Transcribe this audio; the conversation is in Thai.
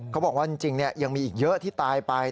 เขาบอกว่าจริงยังมีอีกเยอะที่ตายไป